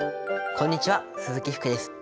こんにちは鈴木福です。